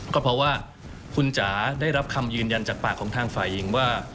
ก็เพราะว่าคุณจ๋าได้รับคำยืนยันจากปากของทางฝ่ายหญิงว่า